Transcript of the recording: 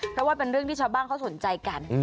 เพราะว่าเป็นเรื่องที่ชาวบ้านเขาสนใจกัน